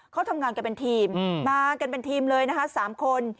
เขาทำงานกันเป็นทีมมากันเป็นทีมเลยนะคะ๓คน